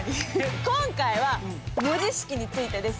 今回は文字式についてです。